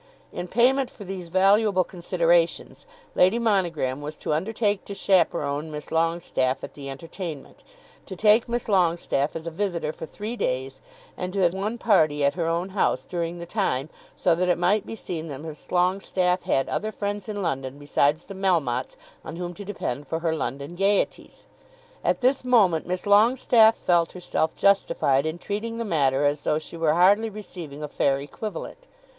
In payment for these valuable considerations, Lady Monogram was to undertake to chaperon Miss Longestaffe at the entertainment, to take Miss Longestaffe as a visitor for three days, and to have one party at her own house during the time, so that it might be seen that Miss Longestaffe had other friends in London besides the Melmotte's on whom to depend for her London gaieties. At this moment Miss Longestaffe felt herself justified in treating the matter as though she were hardly receiving a fair equivalent.